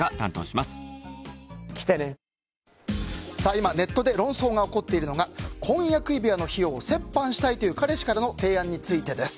今、ネットで論争が起こっているのが婚約指輪の費用を折半したいという彼氏からの提案についてです。